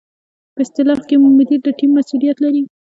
په اصطلاح کې مدیر د ټیم مسؤلیت لري.